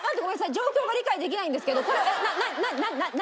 状況が理解できないんですけどこれ何？